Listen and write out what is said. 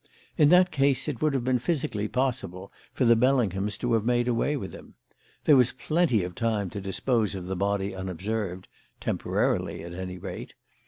In that case it would have been physically possible for the Bellinghams to have made away with him. There was plenty of time to dispose of the body unobserved temporarily, at any rate.